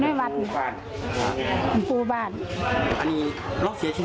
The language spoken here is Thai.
ชิคเกียจเราตายนี่ชื่นวันที่๒